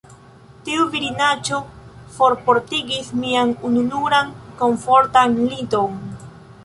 Tiu virinaĉo forportigis mian ununuran komfortan liton.